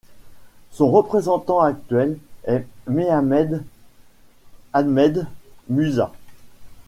Son représentant actuel est Mehamed Ahmed Musa.